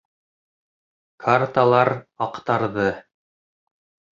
Карталар аҡтарҙы.